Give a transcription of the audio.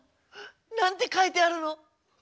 何て書いてあるの？